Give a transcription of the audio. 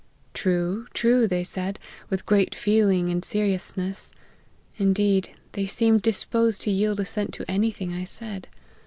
' True, true,' they said, with great feeling and seriousness ; indeed, they seemed disposed to yield assent to any thing I said.